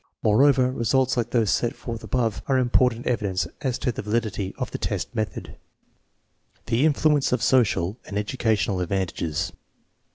Moreover, results like those set forth above are important evidence as to the validity of the test method. Influence of social and educational advantages.